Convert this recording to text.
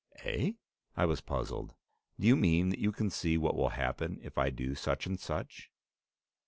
'" "Eh?" I was puzzled. "Do you mean that you can see what will happen if I do such and such?"